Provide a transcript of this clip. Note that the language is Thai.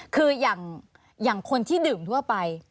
คืออย่างคนที่ดื่มทั่วไป